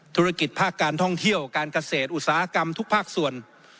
ธุรกิจภาคการท่องเที่ยวการเกษตรอุตสาหกรรมทุกภาคส่วน